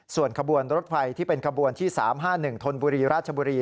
ส่วนขบวนรถไฟที่เป็นขบวนที่๓๕๑ธนบุรีราชบุรี